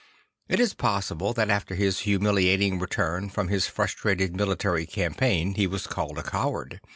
It is possible that after his humiliating return from his frustrated military campaign he was called a coward.